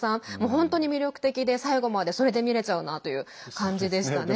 本当に魅力的で最後までそれで見れちゃうなという感じでしたね。